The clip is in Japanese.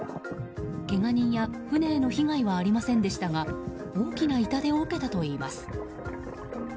けが人や船への被害はありませんでしたが大きな痛手を受けたといいます。